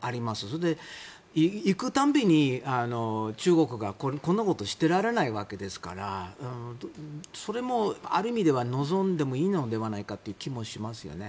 それで、行く度に中国がこんなことをしてられないわけですからそれもある意味では望んでもいいのではないかという気もしますね。